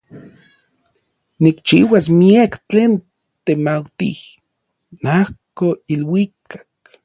Nikchiuas miak tlen temautij najko iluikak.